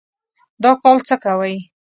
دا کال څه کوئ؟